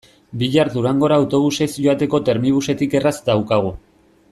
Bihar Durangora autobusez joateko Termibusetik erraz daukagu.